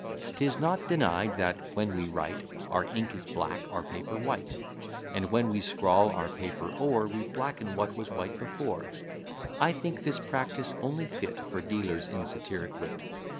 'Tis not denied, that, when we write, Our ink is black, our paper white: And, when we scrawl our paper o'er, We blacken what was white before: I think this practice only fit For dealers in satiric wit.